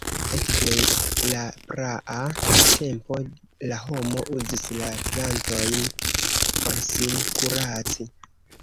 Ekde la praa tempo la homo uzis la plantojn por sin kuraci.